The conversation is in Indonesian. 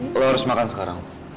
lo harus makan sekarang